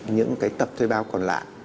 những cái tập thuê bao còn lạ